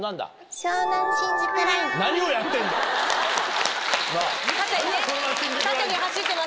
湘南新宿ラインね。